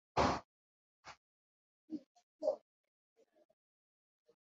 begeregeze gukemure ibibezo bijyenye n’iterembere